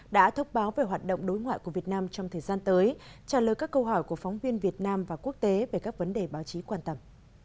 đã thốc báo về hoạt động đối ngoại của việt nam trong thời gian tới trả lời các câu hỏi của phóng viên việt nam và quốc tế về các vấn đề báo chí quan tâm